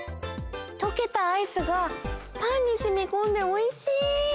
とけたアイスがパンにしみこんでおいしい！